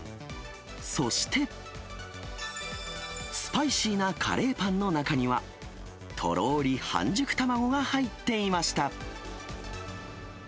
そして、スパイシーなカレーパンの中には、とろーり半熟卵が入っていました。